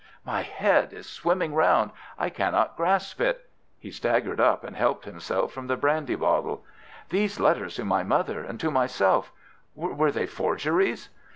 "My head is swimming round. I cannot grasp it!" He staggered up, and helped himself from the brandy bottle. "These letters to my mother and to myself—were they forgeries?"